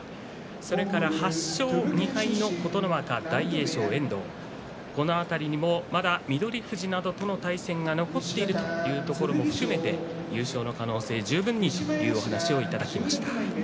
それから８勝２敗の琴ノ若大栄翔、遠藤この辺りにもまだ翠富士などとの対戦が残っているというところも含めて優勝の可能性は十分にというお話をいただきました。